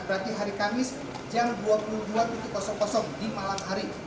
berarti hari kamis jawa barat